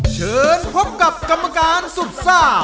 เชิญพบกับกรรมการสุดซ่า